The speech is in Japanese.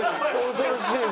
恐ろしい。